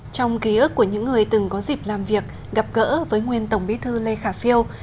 trong ký ức của những người từng có dịp làm việc gặp gỡ với nguyên tổng bí thư lê khả phiêu